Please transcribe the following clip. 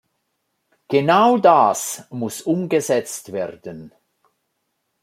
Genau das muss umgesetzt werden!